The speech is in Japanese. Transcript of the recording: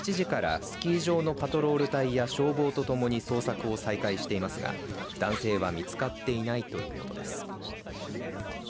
警察はけさ７時からスキー場のパトロール隊や消防と共に捜索を再開していますが男性は見つかっていないということです。